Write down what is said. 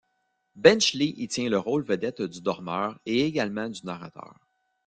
Benchley y tient le rôle vedette du dormeur et également du narrateur.